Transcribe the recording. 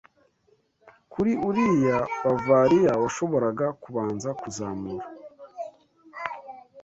Kuri uriya Bavariya washoboraga kubanza kuzamura